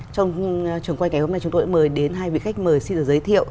trong trường quay ngày hôm nay chúng tôi đã mời đến hai vị khách mời xin được giới thiệu